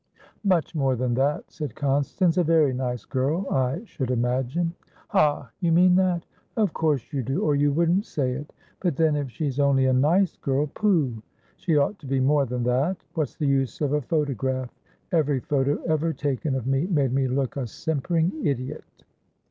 "Much more than that," said Constance. "A very nice girl, I should imagine." "Ha! You mean that? Of course you do, or you wouldn't say it. But then, if she's only a 'nice girl'pooh! She ought to be more than that. What's the use of a photograph? Every photo ever taken of me made me look a simpering idiot."